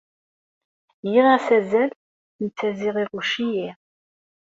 Giɣ-as azal, netta ziɣ iɣucc-iyi.